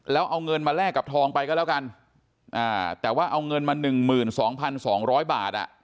แล้วเอาเงินมาแลกกับทองไปก็แล้วกันอ่าแต่ว่าเอาเงินมาหนึ่งหมื่นสองพันสองร้อยบาทอ่ะ